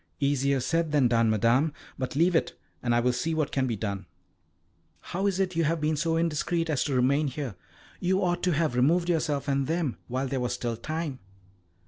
"Easier said than done, Madame; but leave it, and I will see what can be done. How is it you have been so indiscreet as to remain here? You ought to have removed yourself, and them, while there was still time."